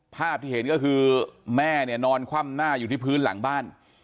ภาพที่เห็นก็คือแม่เนี่ยนอนคว่ำหน้าอยู่ที่พื้นหลังบ้าน